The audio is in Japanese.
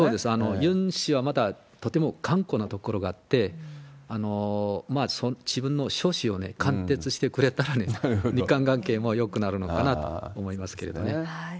ユン氏はまた、とても頑固なところがあって、自分の初志を貫徹してくれたら、日韓関係もよくなるのかなと思いますけれどもね。